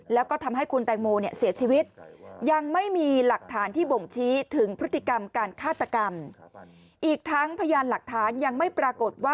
แล้วก็ทำให้คุณแตงโมเสียชีวิต